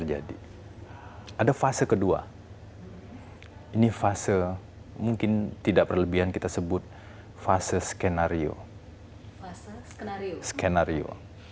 jadi tadi fase inti kemudian fase skenario